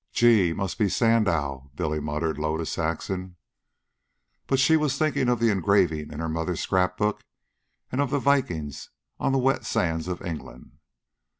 "Gee! must be Sandow," Billy muttered low to Saxon. But she was thinking of the engraving in her mother's scrapbook and of the Vikings on the wet sands of England.